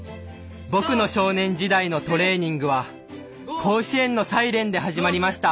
僕の少年時代のトレーニングは甲子園のサイレンで始まりました。